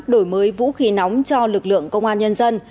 đổi mới vũ khí nóng cho lực lượng công an nhân dân